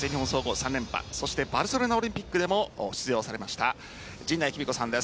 ３連覇バルセロナオリンピックにも出場されました陣内貴美子さんです。